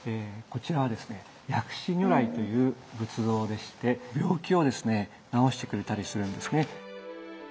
こちらはですね薬師如来という仏像でして病気をですね治してくれたりするんですね。